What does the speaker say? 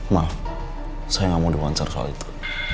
ma saya enggak mau diwawancar soal itu